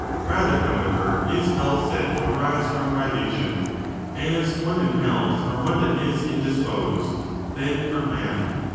Bather, however, is health said to arise from privation — as one in health from one that is indisposed — than from man.